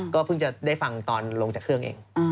เพิ่งจะได้ฟังตอนลงจากเครื่องเอง